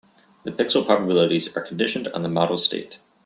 The pixel probabilities are conditioned on the model state.